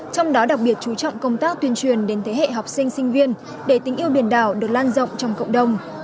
trong đó đặc biệt chú trọng công tác tuyên truyền đến thế hệ học sinh sinh viên để tình yêu biển đảo được lan rộng trong cộng đồng